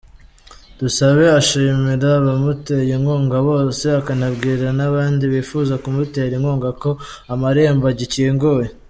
Dusabe ashimira abamuteye inkunga bose, akanabwira n’abandi bifuza kumutera inkunga ko amarembo agikinguye.